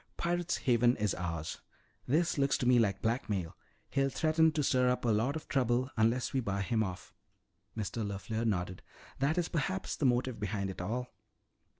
"Pirate's Haven is ours. This looks to me like blackmail. He'll threaten to stir up a lot of trouble unless we buy him off." Mr. LeFleur nodded. "That is perhaps the motive behind it all."